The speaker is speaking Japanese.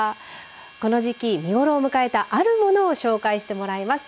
この時期見頃を迎えたあるものを紹介してもらいます。